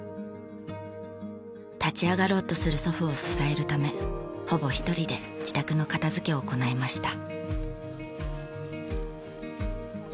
立ち上がろうとする祖父を支えるためほぼ一人で自宅の片付けを行いました。